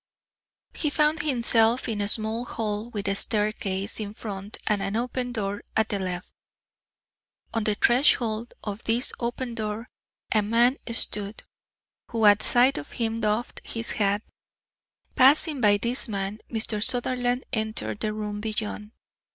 He found himself in a small hall with a staircase in front and an open door at the left. On the threshold of this open door a man stood, who at sight of him doffed his hat. Passing by this man, Mr. Sutherland entered the room beyond.